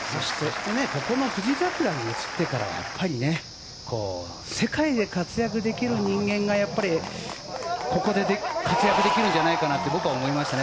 ここの富士桜に移ってからやっぱり世界で活躍できる人間がここで活躍できるんじゃないかなと思いました。